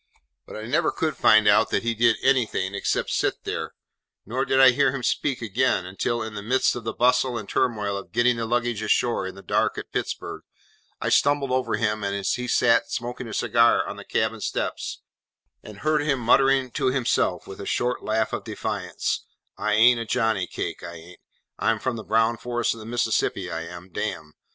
But I never could find out that he did anything except sit there; nor did I hear him speak again until, in the midst of the bustle and turmoil of getting the luggage ashore in the dark at Pittsburg, I stumbled over him as he sat smoking a cigar on the cabin steps, and heard him muttering to himself, with a short laugh of defiance, 'I an't a Johnny Cake,—I an't. I'm from the brown forests of the Mississippi, I am, damme!